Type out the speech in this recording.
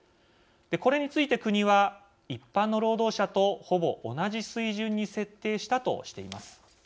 これについて国は一般の労働者とほぼ同じ水準に設定したとしています。